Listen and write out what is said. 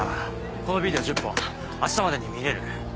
このビデオ１０本明日までに見れる？